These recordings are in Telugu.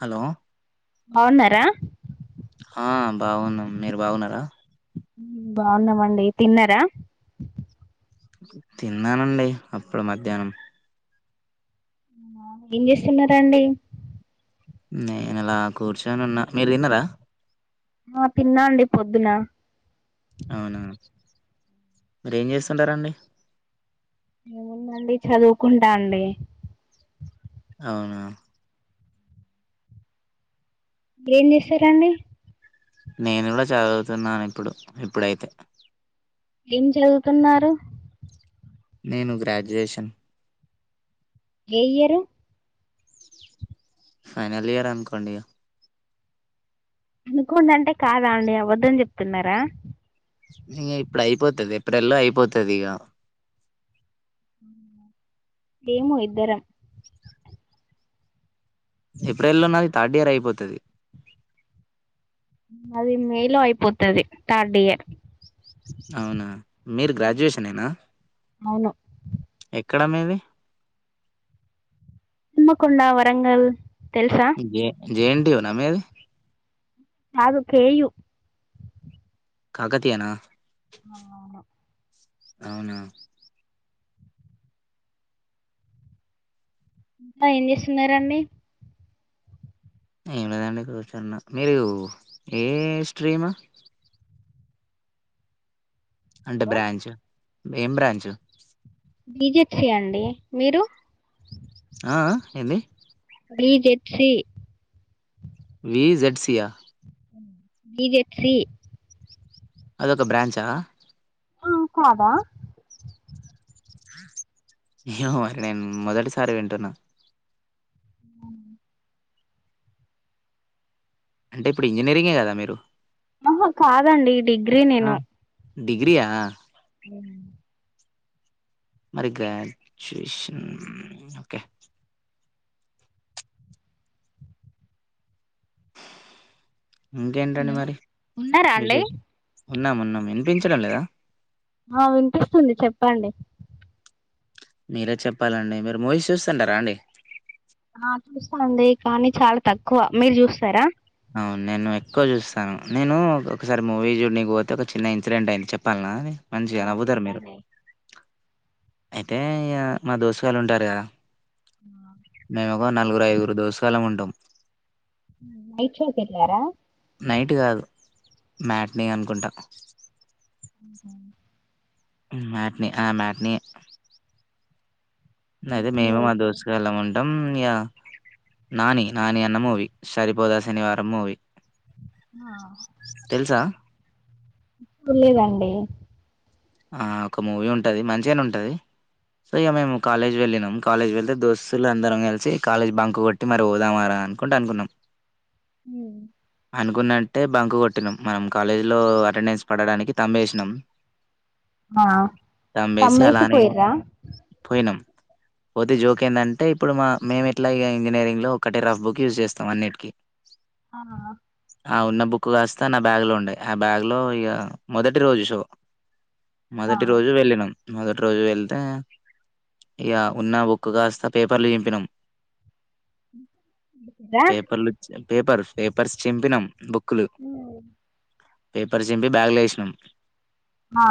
హలో బాగున్నారా ఆ బాగున్నాం మీరు బాగున్నారా బాగున్నామండి తిన్నారా తిన్నానండి అప్పుడు మధ్యాహ్నం. ఏం చేస్తున్నరండి? నేను అలా కూర్చొని ఉన్నా, మీరు తిన్నర? ఆ తిన్నా అండి పొద్దున. అవునా మీరెం చేస్తుంటారండి. ఏముందండి చదువుకుంటా అండి. అవున ఏం చేస్తరండి? నేను కూడా చదువుతున్నాను ఇప్పుడు ఇప్పుడైతే ఏం చదువుతున్నారు? నేను గ్రాడ్యుయేషన్. ఏ ఇయరు ఫైనల్ ఇయర్ అన్కోండి. అనుకోండంటె కాదా అండి, అబద్ధం చెప్తున్నారా? ఇగ ఇప్పుడు అయిపోతది ఏప్రిల్ల్లో అయిపోతుది ఇగ సేము ఇద్దరం ఏప్రిల్ లో నాది థర్డ్ ఇయర్ అయిపోతది. నాది మే లో అయిపోతది థర్డ్ ఇయర్. అవునా మీరు గ్రాడ్యుయేషన్ ఏనా? అవును ఎక్కడ మీది? హన్మకొండ వరంగల్ తెలుసా J J N T U న మీది కాదు కే యు కాకతీయనా అలో అవున అ ఏం చేస్తున్నరండి. ఏం లేదండి కూర్చన్న, మీరు ఏ స్ట్రీము అంటే బ్రాంచ్? ఏం బ్రాంచు? బి జెడ్ సి అండి, మీరు? ఆఆ ఏందీ? B Z C. V Z C ఆ? బి జెడ్ సి అదొక బ్రాంచా? ఆ కాదా? ఏమో మరి నేన్ మొదటిసారి వింటున్నా. అంటే ఇప్పుడు ఇంజనీరింగే కదా మీరు? ఆహా కాదండి డిగ్ గ్రి ఆ నేను. డిగ్రీయా ఉమ్ మరి గ్రాచ్యువేషన్ ఓకే. ఇంకేంటండి హలో మరి ఉన్నారా అండి విశేషం ఉన్నాము ఉన్నాం వినిపించడం లేదా ఆ వినిపిస్తుంది చెప్పండి మీరే చెప్పాలండి మీరు మోవీ చూస్తుంటారా అండి ఆ చూస్తాండి కానీ చాలా తక్కువ మీరు చూస్తారా అవును నేను ఎక్కువ చూస్తాను నేను ఒకసారి మూవీ చూ నక పోతే ఒక చిన్న ఇన్సిడెంట్ అయింది చెప్పాలనా మంచిగ ఆ నవ్వుతారు మీరు చెప్పండి అయితే ఇగ మా దోశగాళ్ళు ఉంటారు కదా ఆ మేము ఒక నలుగురు ఐదుగురు దిశాల్లం ఉంటాం నైట్ షోకి వెళ్ళారా నైట్ కాదు మ్యాట్ని అనుకుంటా మ్యాట్ని ఆ మ్యాట్ని అయితే అవునండి మేము మా అయితే దోస్త్ గళం ఉంటాం య నానీ నాని అన్న మూవి సరిపోదా శనివారం మూవి ఆ చులేదండి ఒక మూవీ ఉంటుంది మంచిగానే ఉంటుంది సో ఇక మేము కాలేజ్ వెళ్ళినము కాలేజ్కి వెళ్తే దోస్తులు అందరం కలిసి కాలేజ్ బంక్ కొట్టి మరి పోదామారా అనుకుంటు అనుకున్నాం ఉమ్ అనుకున్నంటే బంకు కొట్టినాం మనం కాలేజ్లో అటెండెన్స్ పడడానికి తమ్మేసినాం ఆ తుంబేసి అలానే పోయిరా పోయినాం పోతే జోక్ ఏంటంటే ఇప్పుడు మా మేము ఎట్లా ఇ ఇంజనీరింగ్ లో ఒకటి రఫ్ బుక్ యూస్ చేస్తాం అన్నిటికీ ఆ ఆ ఉన్న బుక్ కాస్తా నా బ్యాగ్ లో ఉండే ఆ బ్యాగ్ లో ఇక మొదటి రోజు షో ఆ మొదటి రోజు వెళ్ళినం మొదటి రోజు వెళ్తే ఇగ ఉన్న బుక్ కాస్తా పేపర్లు చంపినాం దా పేపర్స్ పేపర్స్ చంపినాం బుక్ హ పేపర్ చింపి బ్యాగుల వేసినాం ఆ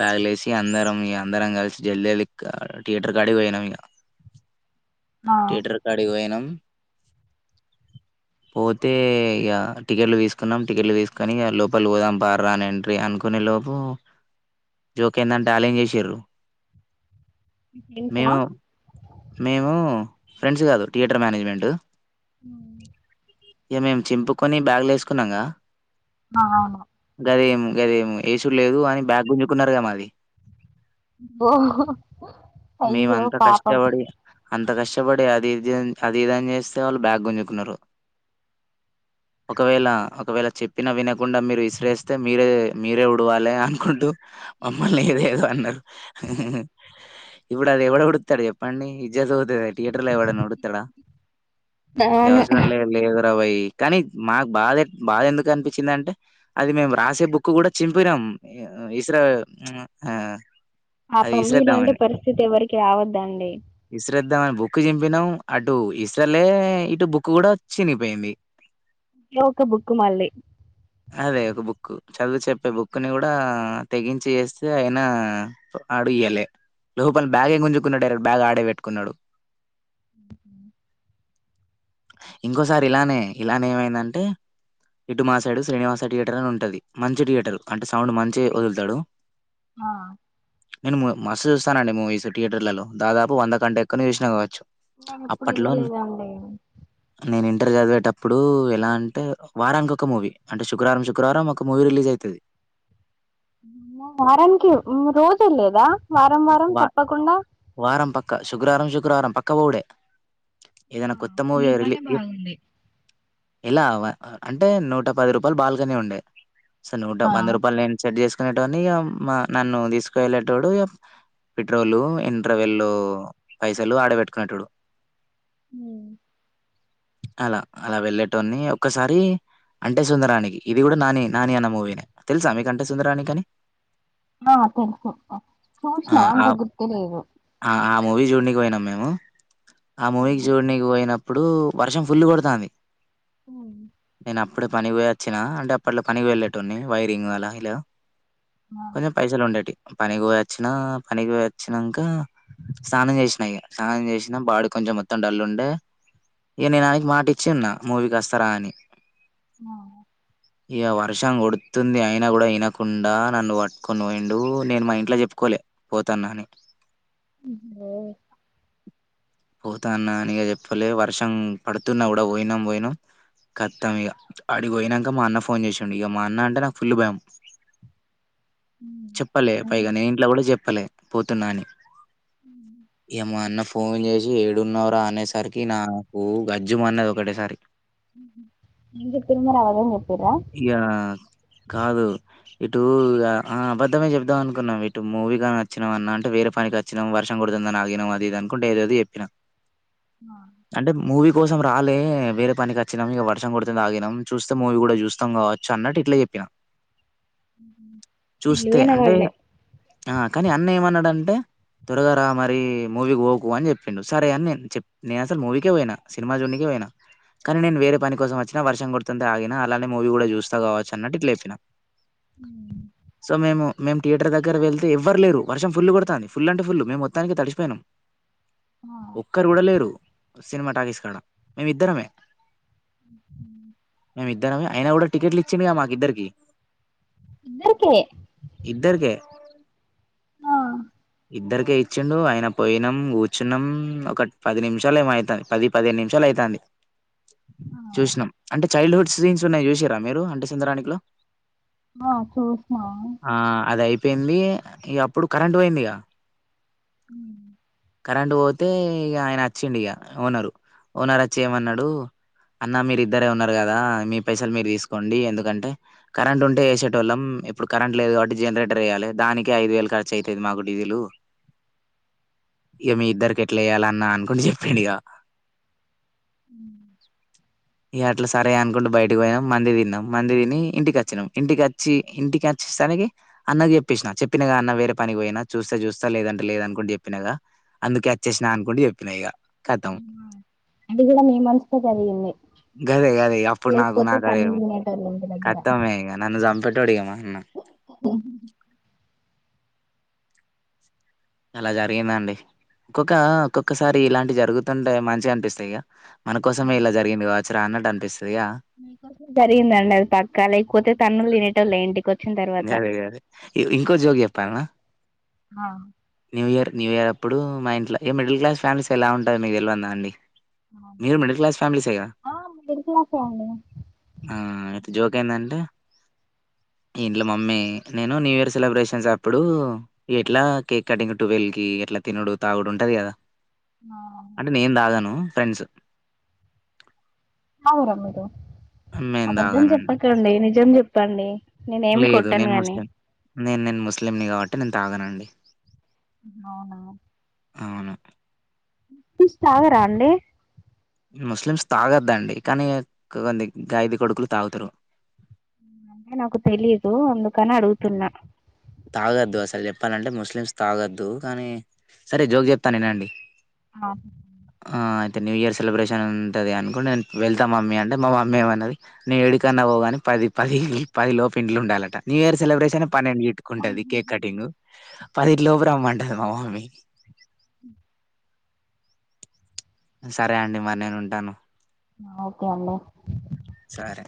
బ్యాగలే వసి అందరం ఇ అందరం కలిసి జల్ జల్లి థియేటర్ కడి పోయినాం ఇక ఆ టిటర్ కాడికి పోయినం పోతే ఇగ టికెట్లు వేసుకున్నాం టికెట్లు వేసుకొని ఇక లోపల పోదాం పార్రా అని ఎంట్రీ అనుకునే లోపు జోక్ ఏందంటే అల్లం చేసిరరు మీ ఫ్రెండ్సా మేము మేము ఫ్రెండ్స్ కాదు థియేటర్ మేనేజ్మెంట్ ఉ ఇక మేము చింపుకొని బ్యాగు్ల వేసుకున్నాంగా ఆ అదేమి గదేమి ఏసు లేదు అని బ్యాగ్ గుంజుకున్నారు కద మది ఇబో అయ్య్యో మేమంతా పాపం కష్టపడి అంత కష్టపడి అది ఇది అన్ అది ఇదని చేస్తే వాళ్ళు బ్యాగ్ గుంజుకున్నారు ఒకవేళ ఒకవేళ చెప్పినా వినకుండా మీరు విసిరేస్తే మీరే మీరే ఉడవాలి అనుకుంటూ మమ్మల్ని ఏదో ఏదో అన్నారు ఇప్పుడు అది ఎవడుడుత్తాడు చెప్పండి ఇజ్జత్ పోతది థియేటర్ లో ఎవడన్నా వుడుతాడా ఏం అవును అవసరం లేదు చిరవై కానీ మాకు బాధ బాధ ఎందుకు అనిపించింది అంటే అది మేము రాసే బుక్ కూడా చింపినం ఇస్ర ఆ అది పమ్మి లాంటి ఇసిరేద్దామని పరిస్థితి ఎవరికి రావద్దండి ఇమని బుక్ చంపినాం అటు ఇస్రలే ఇటు బుక్ కూడా చినిపోయింది ఇంట్లో ఒక బుకు మళ్ళీ అదే ఒక బుక్ చదువు చెప్పే బుక్ ని కూడా తెగించి ఏస్తే అయినా ఆడు ఇయ్యాల లోపల బ్యాగే గుంజుకున్నాడు డైరె బ్యాగ్ ఆడే పెట్టుకున్నాడు ఉంహు ఇంకోసారి ఇలానే ఇలానే ఏమైందంటే ఇటు మాసైడు శ్రీనివాస థియేటర్ అని ఉంటుంది మంచి థియేటర్ అంటే సౌండ్ మంచిగా వదులుతాడు ఆ నేను మస్తు చూస్తానండి మూవీస్ థయేటర్లలో దదాపు వంద కంతే ఎక్కన చూసినా కావచ్చు నేను ఎప్పుడు అప్పట్లో న- వెళ్ళలేదండి నేను ఇంటర్ చదివేటప్పుడు ఎలా అంటే వారానికి ఒక మూవీ అంటే శుక్రవారం శుక్రవారం ఒక మూవీ రిలీజ్ అయితది ఏమో వారానికి మ్ రోజు లేదా వా వారం పక్క శుక్రవారం శుక్ శుక్రవారం పక్కా పోవుడే ఏదన్నా మా కొత్త మూవి మీ రిలీ పనే ఎప్ బాగుంది ఇలా అంటే నూట పది రూపాయలు బాల్కనీ ఉండే స నూట ఆ వంద రూపాయలు నేను సెట్ చేస్కు ని ఇక మా నన్ను తీసుకెళ్ళేటోడు ఇ పెట్రోలు ఎంట్రవేల్లో పైసలు ఆడబెట్టుకునేట్డు హ అలా అలా వెళ్ళేటోని ఒక్కసారి అంటే సుందరాణికి ఇది కూడా నాని నాని అన్న మూవీనే తెలుసా మీక అంటే సుందరాణికి అని ఆ తెలుసు ఆ! చూస్నా ఆ! అంతా గుర్తిలేదు ఆ! ఆ మూవీ చూడ్నికి పోయినాం మేము ఆ మూవీకి చూడనీకి పోయినప్ ఇప్పుడు వర్షం ఫుల్ కొడతంది హ అప్పుడు పనికి పో అచ్చినా అంటే అప్పట్లో పని వెళ్లేటోడ్నీ వైరింగ్ అలా ఇలా కొంచెం పైసలు ఉండేటివి పనికి పోయ్ వొచ్ వచ్చిన పనికి పొయి వచ్చినంక స్నానం చేసినా ఇక స్నానం చేసిన బాడి కొంచెం మొత్తం డల్లు ఉండే ఇగ నేనానికి మాట ఇచ్చి ఉన్నా మూవీకి వస్తారా అని ఆ ఇగ వర్షం కొడుతుంది అయినా కూడా ఇనకుండా నన్ను పట్టుకొని పోండు నేను మా ఇంట్ల చెప్ కో లే పోతాన్నాని ఉహ్మ్ ఒ పోతా అన్న అనిగ చెప్పలే వర్షం పడుతున్నా కూడా పోయినాం పోయినాం కతం ఇగ అడిగి పోయినంక మా అన్న ఫోన్ చేశిండు ఇగ మా అన్న అంటే నాకు ఫుల్లు బయం చెప్పాలే పైగా నేన్ జెప్పలే పోతున్నా అని ఏమా అన్న ఫోన్ చేసి ఏడున్నావ్ర అనేసరికి నాకు గజ్జుం మన్నది ఒకటేసారికి ఎం చెప్పిర్ మరి అవగం చెప్పరా ఇగ కాదు ఇటు అ అబద్ధమే చెబ్దాం అనుకున్నాం ఇటు మూవీగానీ నచ్చినాం అన్న అంటే వేరే పనికి వచ్చినాం వర్షం కొడుతుందని ఆగినాం అది ఇది అకుంట ఏదోది చెప్పినా అంటే మూవీ కోసం రాలే వేరే పనికి వచ్చినాం ఇగ వర్షం కుడుతందని ఆగినం చూస్తే మూవీ కూడా చూస్తాం కావచ్చు అన్నట్టు ఇట్ల చెప్పిన తెలివైనా వాళ్లే ఆ కనీ అన్న ఏమన్నాడంటే త్వరగా రా మరి మూవీకి పోకు అని చెప్పిండు సరే అని నేన్ చెప్ నేను అసలు మూవీకే పోయినా సినిమా జూనీకే పోయినా కనీ నేను వేరే పని కోసం వచ్చిన వర్షం కొడుతుంటే ఆగిన అలానే మూవీ కూడా చూస్తా కావచ్చు అన్నట్టు ఇట్ల చెప్పిన సో మేము మేమ్ థియేటర్ దగ్గర వెళ్తే ఎవ్వరులేరు వర్షం ఫుల్లు కొడతా ఫుల్ అంటే ఫుల్ మేం మొత్తానికి తడిశిపోయినాం ఒక్కరు గుడలేరు సినిమా టాకీస్ కాడ మేమి ఇద్దరమే ఆహా ఇద్దరం అయినా కూడా టికెట్లు ఇచ్చిండి గా మాకిద్దరికి ఇద్దరికే ఇద్దరికె ఇద్దరికే ఇచ్చిండు ఆయన పోయినాం కూర్చున్నాం ఒక పది నిమిషాలు ఏమో అయితంది పది పదిహేను నిమిషాలు అయితంది చూసినాం అంటే చైల్డ్హుడ్ స్రీన్స్ ఉన్నాయి చూసీరా మీరు అంటే సుందరానికిలో ఆ చూస్నా పోయింది ఇగ అప్పుడు కరెంట్ పోయింది ఇగ ఉమ్మ్ కరెంటు పోతే ఇగ ఆయన వచ్చిండు ఇగ ఓనరు ఓనర్ వచ్చి ఏమన్నాడు అన్న మీరు ఇద్దరే ఉన్నారు కదా మీ పైసలు మీరు తీసుకోండి ఎందుకంటే కరెంటు ఉంటే ఎసేటోళ్ళం ఇప్పుడు కరెంట్ లేదు కాబట్టి జనరేటర్ ఎయాలే దానికె ఐదు వేలు ఖర్చు అయితది మాకు డీజిలు ఇగ మీ ఇద్దరికి ఎట్లా ఎయ్యాల అన్న అనుకుంటూ చెప్పిండు ఇగ ఇగ అట్లా సరే అనుకుంటు బయటకి పోయినం మంది తిన్నాం మంది తిని ఇంటికి అచ్చినాం ఇంటికచ్చి ఇంటికి అచ్చేసానికి అన్నకి చెప్పేసినా చెప్పినాగా అన్న వేరే పనికి పోయినా చూస్తే చూస్తా లేదంటే లేద్ అనుకుంట చెప్పినాగా అందుకే వచ్చేసినా అనుకుంటూ చెప్పినా ఇగ కతం అది కూడా మీ మంచి కె జరిగింది గదే గదే అప్పుడు నాకు లేకపోతే నాకు అదే తన్నులు తినేటోళ్ళు ఇంటి కతమే ఇగ నన్ను చంపె అడిగామ ఓ అలా జరిగింది అండి ఒక్కొక్క ఒక్కొక్కసారి ఇలాంటి జరుగుతుంటే మంచిగా అనిపిస్తాయిగా మన కోసమే ఇలా జరిగింది వా రాన్నట్ అనిపిస్ జరిగిందండి అది పక్కా లేకపోతే తన్నుళ్లు తినటోలు ఏంటి అదే అదే ఇంకో జోక్ చెప్పాలనా ఆ న్యూ ఇయర్ న్యూ ఇయర్ అప్పుడు మా ఇంట్లో మిడిల్ క్లాస్ ఫ్యామిలీస్ ఎలా ఉంటాయో మీకు తెల్వందా అండి మీరు మిడిల్ క్లాస్ ఫ్యామిలీసేగా. ఆ మిడిల్ క్లాసే అండి జోక్ ఏందంటే ఇంట్లో మమ్మీ నేను న్యూ ఇయర్ సెలబ్రేషన్స్ అప్పుడు ఎట్లా కేక్ కటింగ్ టువెల్వ్ కి ఎట్లా తినడు తాగుడు ఉంటది కదా ఆ అంటే నేను దాగను ఫ్రెండ్స్ తాగరా మీరు నేను అబద్ధం తాగనండి. చెప్పకండి నిజం చెప్ పండి లేదు నేను ముస్లిం నేను నేను ముస్లింని కాబట్టి తాగనండి అవునా అవును తాగారా అండి ముస్లిమ్స్ తాగద్దండి కానీ కొది గాయిదు కొడుకులు తాగుతారు అంటే నాకు తెలీదు అందుకని అడుగుతున్నా తాగద్దు అసలు చెప్పాలంటే ముస్లిమ్స్ తాగద్దు కానీ సరే జోక్ చెప్తాను వినండి ఆ ఆ అయితే న్యూ ఇయర్ సెలబ్రేషన్ ఉంటది అనుకుంటే నేను వెళ్తాం మమ్మీ అంటే మా మమ్మీ ఏమన్నది నేను ఎడుకన్నా పోగాని పది పది పది లోపు ఇంట్లో ఉండాలట న్యూ ఇయర్ సెలబ్రేషన్ పన్నెండు గీట్టుకుంటది కేక్ కటింగ్ పదిటి లోపులు రమ్మంటారు మా మమ్మీ సరే అండి మరి నేను ఉంటాను ఓకే అండి సరే.